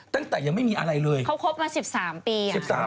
ตั้งแต่ยังไม่มีอะไรเลยเขาคบมา๑๓ปี